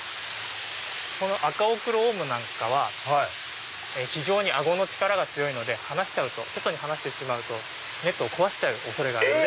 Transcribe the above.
このアカオクロオウムなんかは非常に顎の力が強いので外に放してしまうとネットを壊しちゃう恐れがあるので。